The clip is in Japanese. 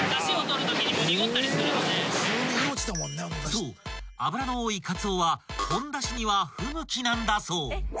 ［そう脂の多いかつおはほんだしには不向きなんだそう］